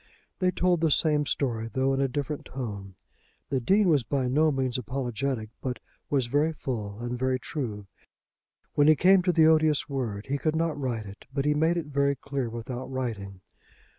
They told the same story, though in a different tone. The Dean was by no means apologetic, but was very full and very true. When he came to the odious word he could not write it, but he made it very clear without writing.